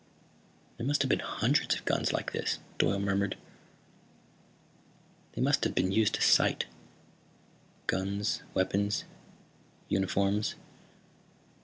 "There must have been hundreds of guns like this," Dorle murmured. "They must have been used to the sight, guns, weapons, uniforms.